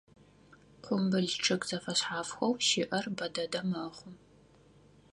Къумбыл чъыг зэфэшъхьафхэу щыӏэр бэ дэдэ мэхъу.